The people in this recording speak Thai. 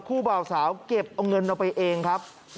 บ่าวสาวเก็บเอาเงินเอาไปเองครับ